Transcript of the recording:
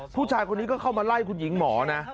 ผู้ชายคนนี้ก็เข้ามาไล่คุณหญิงหมอนะ